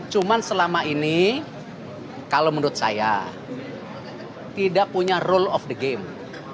cuma selama ini kalau menurut saya tidak punya rule of the game